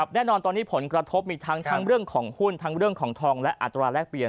แน่นอนตอนนี้ผลกระทบมีทั้งเรื่องของหุ้นทั้งเรื่องของทองและอัตราแรกเปลี่ยน